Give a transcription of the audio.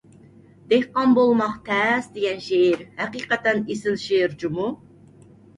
«دېھقان بولماق تەس» دېگەن شېئىر ھەقىقەتەن ئېسىل شېئىر جۇمۇ.